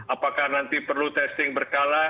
apakah nanti perlu testing berkala